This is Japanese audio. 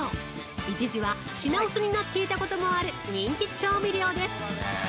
一時は品薄になっていたこともある人気調味料です。